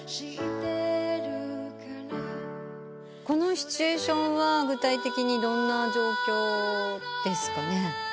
このシチュエーションは具体的にどんな状況ですか？